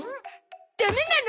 ダメなの？